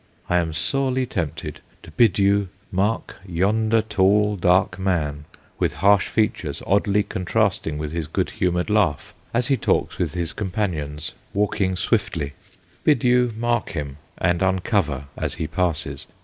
I am sorely tempted to bid you mark yonder tall, dark man, with harsh features oddly contrasting with his good humoured laugh as he talks with his companions, walking swiftly bid you 10 THE GHOSTS OF PICCADILLY mark him and uncover as he passes.